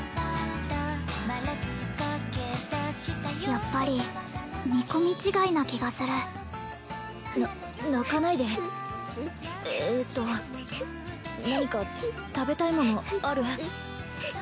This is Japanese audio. やっぱり見込み違いな気がするな泣かないでえっと何か食べたいものある？